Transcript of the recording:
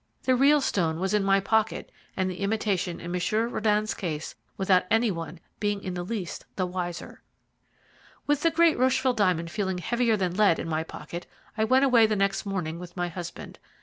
The real stone was in my pocket and the imitation in Monsieur Röden's case without any one being in the least the wiser. "With the great Rocheville diamond feeling heavier than lead in my pocket, I went away the next morning with my husband.